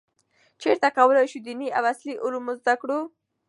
چیرته کولای شو دیني او عصري علوم زده کړو؟